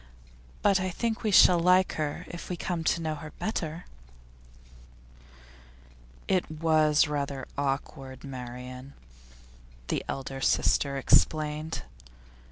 But I think we shall like her if we come to know her better.' 'It was rather awkward, Marian,' the elder sister explained.